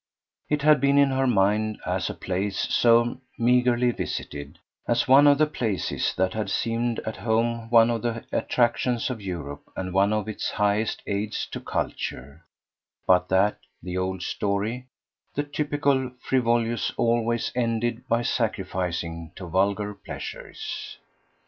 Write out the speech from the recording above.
It had been in her mind as a place so meagrely visited, as one of the places that had seemed at home one of the attractions of Europe and one of its highest aids to culture, but that the old story the typical frivolous always ended by sacrificing to vulgar pleasures.